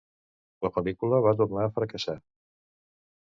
La pel·lícula va tornar a fracassar.